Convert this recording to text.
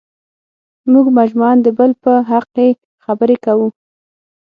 موږ مجموعاً د بل په حق کې خبرې کوو.